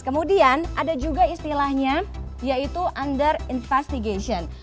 kemudian ada juga istilahnya yaitu under investigation